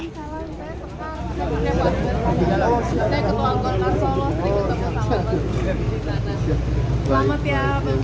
saya ketua anggota solos jadi ketemu sama pak jokowi